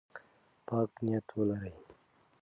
پاک نیت ولرئ.